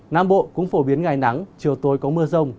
nam bộ cũng phổ biến ngày nắng chiều tối có mưa rông